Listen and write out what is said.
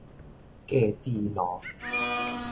格致路